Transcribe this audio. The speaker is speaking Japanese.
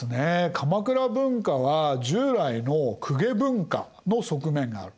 鎌倉文化は従来の公家文化の側面がある。